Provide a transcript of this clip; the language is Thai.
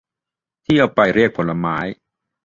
ที่เอาไปเรียกผลไม้